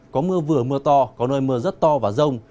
có mưa vừa mưa to có nơi mưa rất to và rông